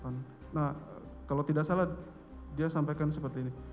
nah kalau tidak salah dia sampaikan seperti ini